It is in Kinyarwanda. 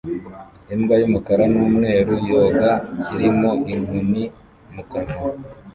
Imbwa y'umukara n'umweru yoga irimo inkoni mu kanwa